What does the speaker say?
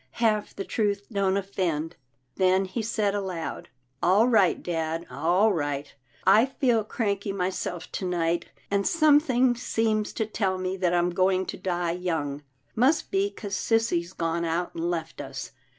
Half the truth don't offend." Then he said aloud, " All right, dad — all right. I feel cranky myself to night, and something seems to tell me that I'm going to die young — must be 'cause sissy's gone out and left us.